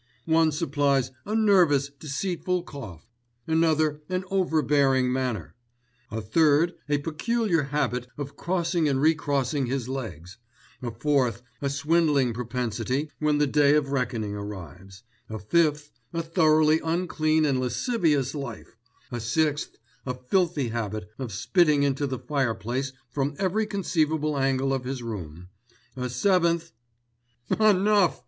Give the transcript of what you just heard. One supplies 'a nervous, deceitful cough,' another 'an overbearing manner,' a third 'a peculiar habit of crossing and recrossing his legs,' a fourth 'a swindling propensity when the day of reckoning arrives,' a fifth 'a thoroughly unclean and lascivious life,' a sixth 'a filthy habit of spitting into the fireplace from every conceivable angle of his room,' a seventh——" "Enough!